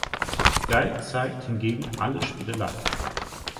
Sky zeigt hingegen alle Spiele live.